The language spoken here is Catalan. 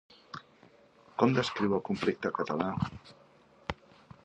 Com descriu el conflicte català?